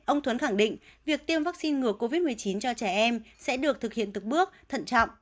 ông thuấn khẳng định việc tiêm vaccine ngừa covid một mươi chín cho trẻ em sẽ được thực hiện từng bước thận trọng